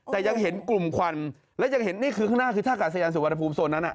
แต่ยังเห็นกลุ่มควันและยังเห็นนี่คือข้างหน้าคือท่ากาศยานสุวรรณภูมิโซนนั้น